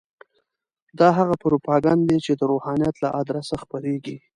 دا هغه پروپاګند دی چې د روحانیت له ادرسه خپرېږي.